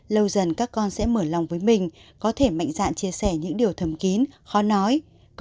lâu dần các con sẽ mở lòng với mình có thể mạnh dạn chia sẻ những điều thầm kín khó nói